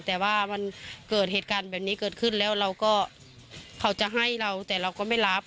แต่ว่ามันเกิดเหตุการณ์แบบนี้เกิดขึ้นแล้วเราก็เขาจะให้เราแต่เราก็ไม่รับ